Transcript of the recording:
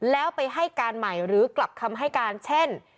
แล้วไปให้การใหม่หรือกลับคำให้การเช่น